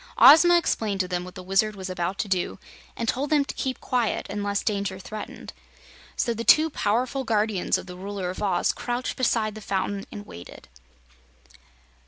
Ozma explained to them what the Wizard was about to do, and told them to keep quiet unless danger threatened. So the two powerful guardians of the Ruler of Oz crouched beside the fountain and waited.